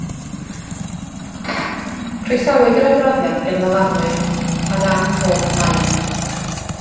Croesawyd yr adroddiad gan lefarwyr ar ran pob plaid